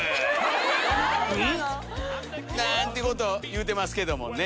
誰なの⁉何てこと言うてますけどもね。